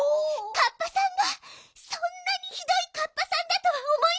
カッパさんがそんなにひどいカッパさんだとはおもいませんでした！